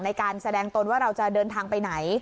ในการแสดงตนว่าเราจะเดินทางไปไหน